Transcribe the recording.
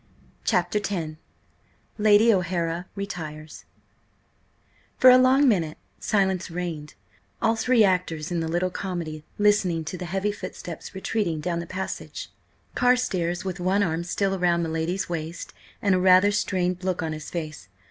CHAPTER X LADY O'HARA RETIRES FOR a long minute silence reigned, all three actors in the little comedy listening to the heavy footsteps retreating down the passage, Carstares with one arm still around my lady's waist and a rather strained look on his face.